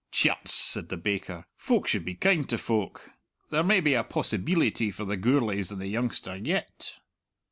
"Tyuts," said the baker, "folk should be kind to folk. There may be a possibeelity for the Gourlays in the youngster yet!"